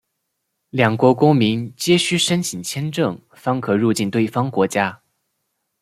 两国公民皆须申请签证方可入境对方国家。